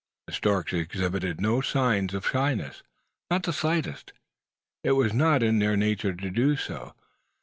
The storks exhibited no signs of shyness not the slightest. It was not in their nature to do so.